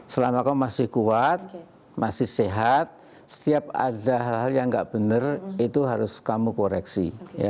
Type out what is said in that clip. selama kamu masih kuat masih sehat setiap ada hal hal yang nggak benar itu harus kamu koreksi